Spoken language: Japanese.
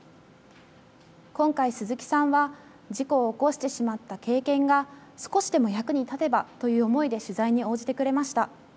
今回、鈴木さんは事故を起こしてしまった経験が少しでも役に立てばという思いで取材に応じてくれました。